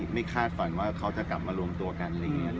เราก็ไม่คาดฝันว่าเขาจะกลับมารวมตัวกัน